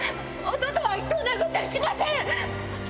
弟はひとを殴ったりしません！